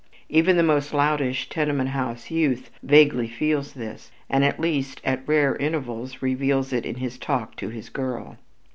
Even the most loutish tenement house youth vaguely feels this, and at least at rare intervals reveals it in his talk to his "girl."